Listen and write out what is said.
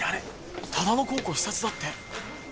唯野高校視察だって。